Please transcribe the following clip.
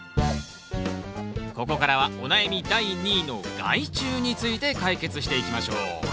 ここからはお悩み第２位の害虫について解決していきましょう